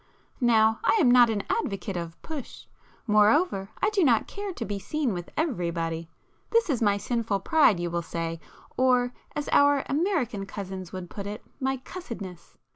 Now I am not an advocate of 'push'—moreover I do not care to be seen with 'everybody';—this is my sinful pride you will say, or as our American cousins would put it, my 'cussedness.